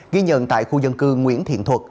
ghi nhận tại khu dân cư nguyễn thiện thuật